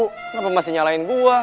kenapa masih nyalain gue